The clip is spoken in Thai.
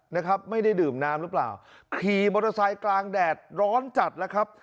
นะครับไม่ได้ดื่มน้ำหรือเปล่าขี่มอเตอร์ไซค์กลางแดดร้อนจัดแล้วครับ